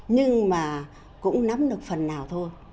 nhưng mà cũng nắm được phần nào thôi